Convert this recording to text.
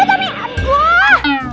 ah tajam kami